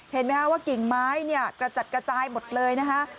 เห็นไหมฮะว่ากิ่งไม้เนี่ยกระจัดกระจายหมดเลยนะคะ